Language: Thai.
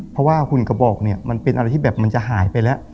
เพราะว่าหุ่นกระบอกเนี่ยมันเป็นอะไรที่แบบมันจะหายไปแล้ว